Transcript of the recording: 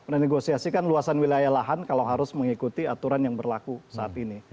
renegosiasikan luasan wilayah lahan kalau harus mengikuti aturan yang berlaku saat ini